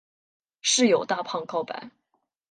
室友大胖告白。